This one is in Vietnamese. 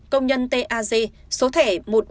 công nhân t a g số thẻ một mươi bốn nghìn hai trăm hai mươi